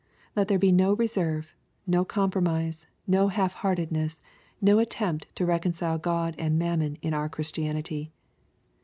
Let there be no reserve, no compromise, no half heartedness, no attempt to reconcile God and mammon in our Christianity.